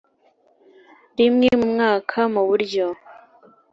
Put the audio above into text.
rimwe mu mwaka mu buryo